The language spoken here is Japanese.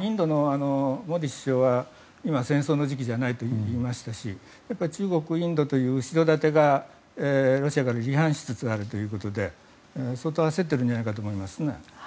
インドのモディ首相は今は戦争の時期じゃないと言いましたし中国、インドという後ろ盾がロシアから離反しつつあるということで相当焦っているんじゃないかと思いますね。